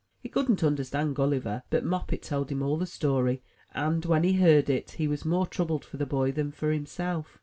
He couldn't understand Gulliver; but Moppet told him all the story, and, when he heard it, he was more troubled for the boy than for himself.